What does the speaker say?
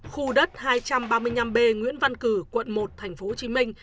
khu đất hai trăm ba mươi năm b nguyễn văn cử quận một tp hcm